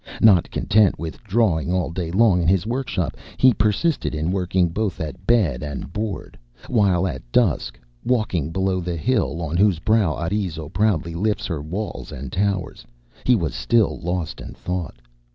Not content with drawing all day long in his workshop, he persisted in working both at bed and board; while at dusk, walking below the hill on whose brow Arezzo proudly lifts her walls and towers, he was still lost in thought.